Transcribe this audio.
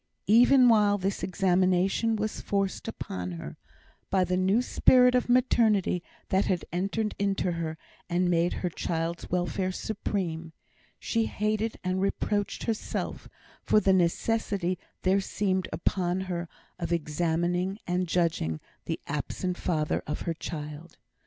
Even while this examination was forced upon her, by the new spirit of maternity that had entered into her, and made her child's welfare supreme, she hated and reproached herself for the necessity there seemed upon her of examining and judging the absent father of her child.